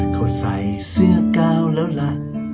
เขาใส่เสื้อก้าวแล้วล่ะ